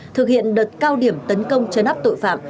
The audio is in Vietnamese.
thực hiện đợt cao điểm tấn công chấn áp tội phạm